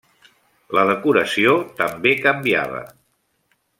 La decoració també canviava.